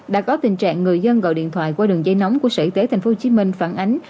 đã có tình trạng người dân gọi điện thoại qua đường dây nóng của sở y tế tp hcm phản ánh